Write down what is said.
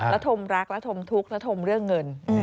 และธมรักและธมทุกข์และทมเรื่องเงิน